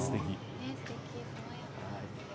すてき。